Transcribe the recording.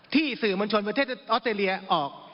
สื่อมวลชนประเทศออสเตรเลียออก